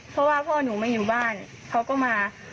เพราะว่าพ่อหนูไม่อยู่บ้านเขาก็มา